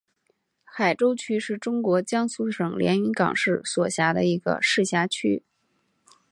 海州区是中国江苏省连云港市所辖的一个市辖区。